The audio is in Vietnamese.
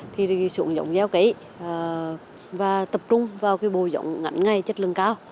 thì xuống giống gieo cấy và tập trung vào bồ giống ngắn ngày chất lượng cao